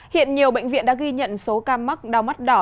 hiện nhiều bệnh viện đã ghi nhận số ca mắc đau mắt đỏ